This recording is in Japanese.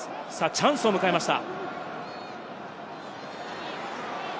チャンスを迎えました。